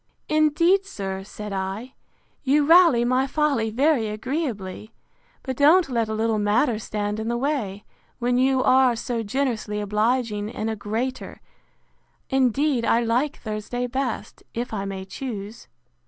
Indeed, sir, said I, you rally my folly very agreeably; but don't let a little matter stand in the way, when you are so generously obliging in a greater: Indeed I like Thursday best, if I may choose.